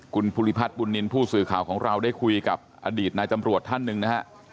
คุณภูริพัฒน์บุญนินทร์ผู้สื่อข่าวของเราได้คุยกับอดีตนายตำรวจท่านหนึ่งนะฮะ